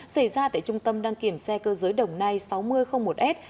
xảy ra tại trung tâm đăng kiểm xe cơ giới đồng nai sáu nghìn một s